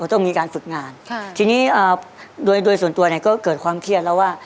ต้องมีการฝึกงานค่ะทีนี้โดยโดยส่วนตัวเนี่ยก็เกิดความเครียดแล้วว่า